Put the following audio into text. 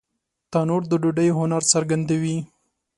تنور د ډوډۍ هنر څرګندوي